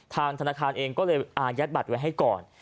ทางธนาคารเองก็เลยอายัดบัตรไว้ให้ก่อน